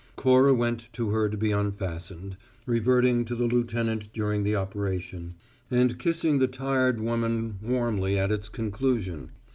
Cora went to her to be unfastened, reverting to the lieutenant during the operation, and kissing the tire woman warmly at its conclusion.